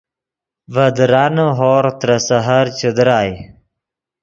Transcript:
ڤے درانے ہورغ ترے سحر چے درائے